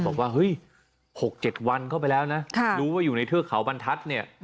บอกว่าเฮ้ย๖๗วันเข้าไปแล้วนะรู้ว่าอยู่ในเทือกเขาบรรทัศน์เนี่ย